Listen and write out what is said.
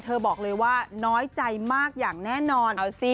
บอกเลยว่าน้อยใจมากอย่างแน่นอน